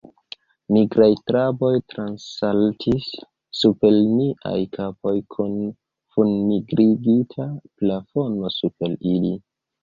Nigraj traboj transsaltis super niaj kapoj, kun fumnigrigita plafono super ili...